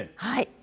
はい。